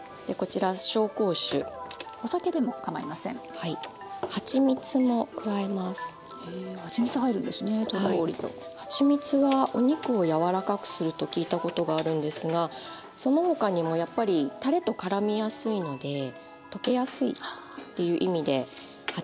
はちみつはお肉を柔らかくすると聞いたことがあるんですがその他にもやっぱりたれとからみやすいので溶けやすいっていう意味ではちみつを私は使ってます。